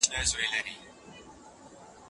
سازمانونو به په قانون کي مساوات رامنځته کول.